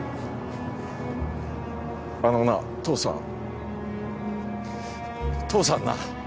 あのな父さん父さんな。